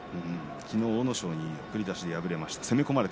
昨日、阿武咲に送り出しで敗れました。